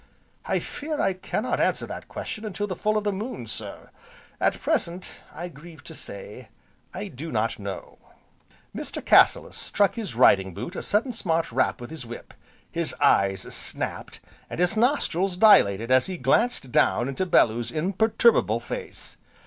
"I fear I cannot answer that question until the full o' the moon, sir, at present, I grieve to say, I do not know." Mr. Cassilis struck his riding boot a sudden smart rap with his whip; his eyes snapped, and his nostrils dilated, as he glanced down into Bellew's imperturbable face.